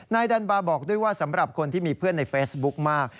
ดันบาบอกด้วยว่าสำหรับคนที่มีเพื่อนในเฟซบุ๊คมาก